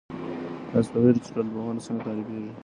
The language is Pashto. تاسو پوهیږئ چې ټولنپوهنه څنګه تعريف کیږي؟